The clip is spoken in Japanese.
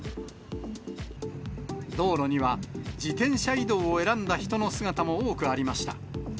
道路には、自転車移動を選んだ人の姿も多くありました。